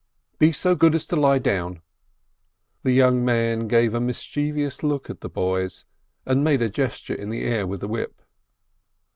"Be so good as to lie down." The young man gave a mischievous look at the boys, and made a gesture in the air with the whip.